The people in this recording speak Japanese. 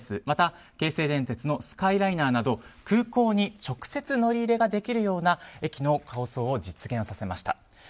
また、京成電鉄のスカイライナーなど空港に直接乗り入れができるような駅の構想を実現させました。